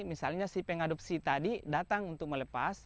misalnya si pengadopsi tadi datang untuk melepas